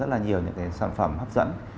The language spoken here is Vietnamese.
rất là nhiều những cái sản phẩm hấp dẫn